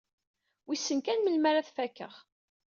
Wissen kan melmi ara t-fakkeɣ?